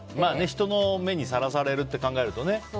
人の目にさらされるって考えるとね。